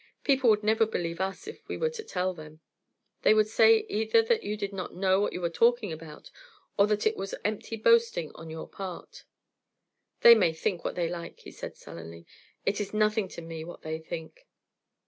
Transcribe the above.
People would never believe us if we were to tell them. They would say either that you did not know what you were talking about, or that it was empty boasting on your part." "They may think what they like," he said, sullenly; "it is nothing to me what they think."